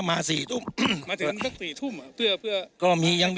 มาถึงก่อน๔ทุ่ม